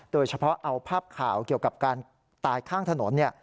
โดยเฉพาะเอาภาพข่าวเกี่ยวกับการตายข้างถนน